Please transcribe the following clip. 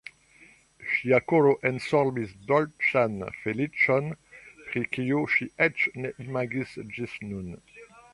Ŝia koro ensorbis dolĉan feliĉon, pri kiu ŝi eĉ ne imagis ĝis nun.